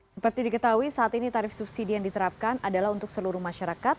seperti diketahui saat ini tarif subsidi yang diterapkan adalah untuk seluruh masyarakat